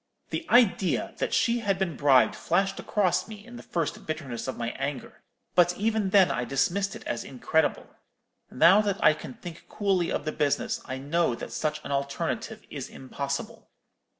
The idea that she had been bribed flashed across me in the first bitterness of my anger: but even then I dismissed it as incredible. Now that I can think coolly of the business, I know that such an alternative is impossible.